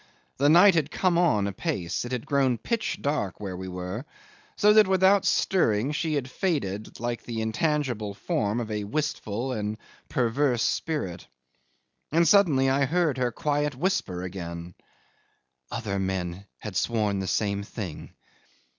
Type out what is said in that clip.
The night had come on apace; it had grown pitch dark where we were, so that without stirring she had faded like the intangible form of a wistful and perverse spirit. And suddenly I heard her quiet whisper again, "Other men had sworn the same thing."